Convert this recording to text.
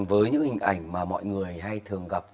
với những hình ảnh mà mọi người hay thường gặp